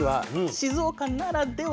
静岡ならでは？